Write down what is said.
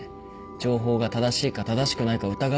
情報が正しいか正しくないか疑うのが仕事だし。